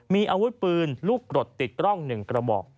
มีอาวุธปืนลูกกรดติดกล้อง๑กระบอก